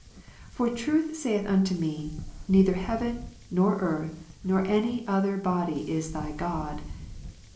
For truth saith ( unto me, " Neither heaven, nor earth, nor any other body is thy God."